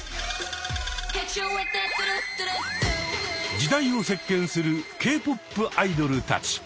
時代を席けんするＫ−ＰＯＰアイドルたち。